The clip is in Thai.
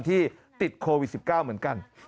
ที่ติดโควิด๑๙เหมือนกัน